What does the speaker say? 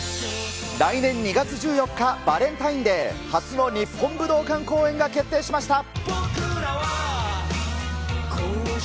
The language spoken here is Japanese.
来年２月１４日バレンタインデー、初の日本武道館公演が決定しました。